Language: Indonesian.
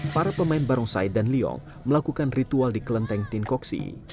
para pemain barong said dan liong melakukan ritual di kelenteng tinkoksi